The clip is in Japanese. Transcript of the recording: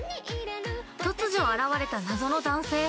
◆突如現れた謎の男性。